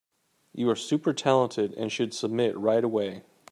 You are super talented and should submit right away.